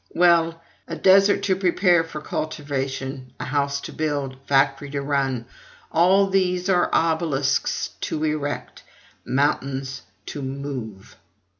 Well, a desert to prepare for cultivation, a house to build, a factory to run, all these are obelisks to erect, mountains to move.